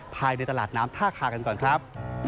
ภายในตลาดน้ำท่าคากันก่อนครับ